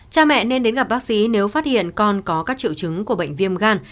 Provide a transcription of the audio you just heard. cha mẹ nên đến gặp bác sĩ nếu phát hiện con có các triệu chứng của bệnh viêm gan